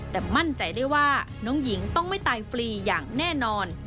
แต่มั่นใจได้ว่าน้องหญิงต้องไม่ตายฟรีอย่างแน่นอน